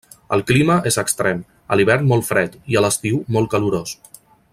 El clima és extrem; a l'hivern molt fred i a l'estiu molt calorós.